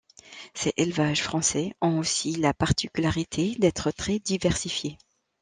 Ces élevages français ont aussi la particularité d'être très diversifiés.